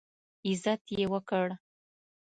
عزت یې وکړ.